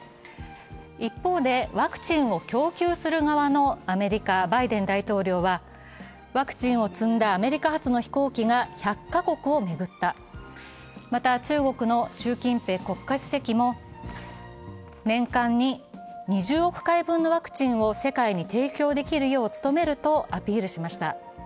一方で、ワクチンを供給する側のアメリカ・バイデン大統領はワクチンを積んだアメリカ発の飛行機が１００カ国を巡った、また、中国の習近平国家主席も、年間に２０億回分のワクチンを世界に提供できるよう努めるとアピールしました。